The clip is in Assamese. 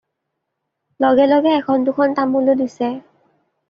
লগে লগে এখন-দুখন তামোলো দিছে।